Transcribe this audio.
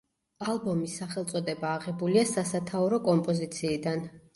ალბომის სახელწოდება აღებულია სასათაურო კომპოზიციიდან.